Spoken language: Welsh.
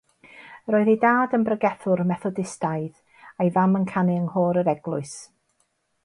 Roedd ei dad yn bregethwr Methodistaidd a'i fam yn canu yng nghôr yr eglwys.